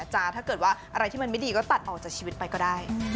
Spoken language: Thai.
ถ้าเกิดว่าอะไรที่มันไม่ดีก็ตัดออกจากชีวิตไปก็ได้